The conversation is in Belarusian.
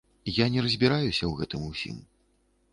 Я не разбіраюся ў гэтым усім.